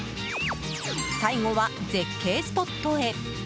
最後は絶景スポットへ。